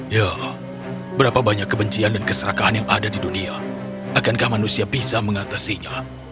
ya berapa banyak kebencian dan keserakahan yang ada di dunia akankah manusia bisa mengatasinya